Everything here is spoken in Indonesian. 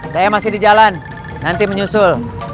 saya masih di jalan nanti menyusul